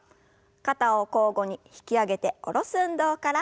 肩を交互に引き上げて下ろす運動から。